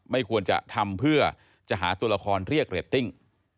ไม่ควรจะทำเพื่อจะหาตัวละครเรียกเรตติ้ง